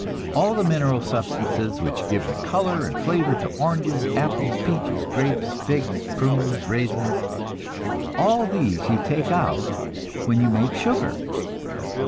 All the mineral substances which give the color and flavor to oranges, apples, peaches, grapes, figs, prunes, raisins all these you take out when you make sugar.